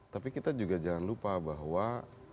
tapi kita juga jangan lupa bahwa pembangunan ekonomi